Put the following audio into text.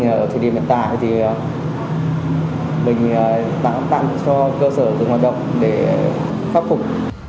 ở thời điểm hiện tại thì mình tặng cho cơ sở dùng hoạt động để pháp phục